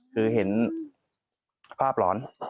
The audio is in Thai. คือเห็นภาพหลอน